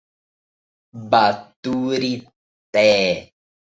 Baturité